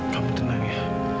kamu tenang ya